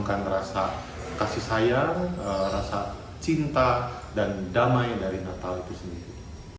menunjukkan rasa kasih sayang rasa cinta dan damai dari natal itu sendiri